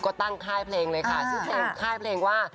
ก็ตั้งค่ายเพลงเลยค่ะชื่อเพลงค่ายเพลงว่า